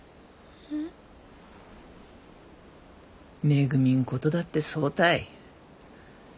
めぐみんことだってそうたい。